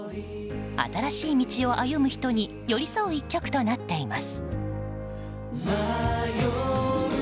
新しい道を歩む人に寄り添う一曲となっています。